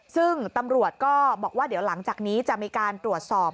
ซึ่งตำรวจก็บอกว่าเดี๋ยวหลังจากนี้จะมีการตรวจสอบ